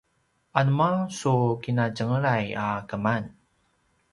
anema su kina tjenglay a keman?